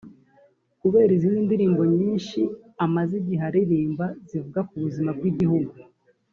kubera izindi nyinshi yari amaze igihe aririmba zivuga ku buzima bw’igihugu